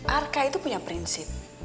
arka itu punya prinsip